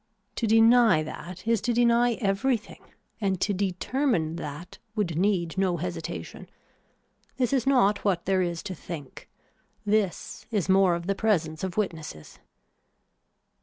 To deny that is to deny everything and to determine that would need no hesitation. This is not what there is to think. This is more of the presence of witnesses.